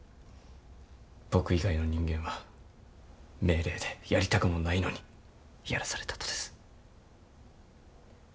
僕以外の人間は命令でやりたくもないのにやらされたとです。